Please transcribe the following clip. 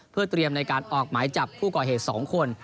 เพื่อเตรียมในการออกหมายจับผู้ก่อเหตุ๒คน